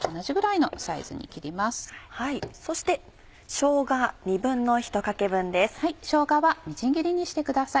しょうがはみじん切りにしてください。